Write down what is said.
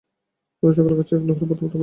অতএব সকলেই একত্র লাহোরে প্রত্যাবর্তন করিলেন।